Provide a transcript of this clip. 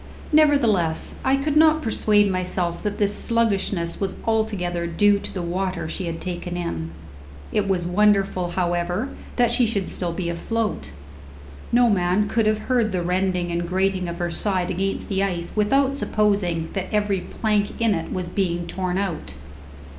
Nevertheless, I could not persuade myself that this sluggishness was altogether due to the water she had taken in. It was wonderful, however, that she should still be afloat. No man could have heard the rending and grating of her side against the ice without supposing that every plank in it was being torn out.